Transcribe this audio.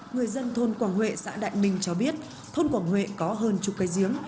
người dân thôn quảng huệ xã đại bình cho biết thôn quảng huệ có hơn chục cây giếng